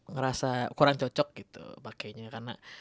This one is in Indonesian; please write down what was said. ngerasa kurang cocok gitu pakainya karena